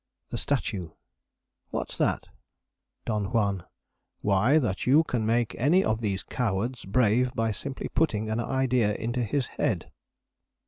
THE STATUE. What's that? DON JUAN. Why, that you can make any of these cowards brave by simply putting an idea into his head.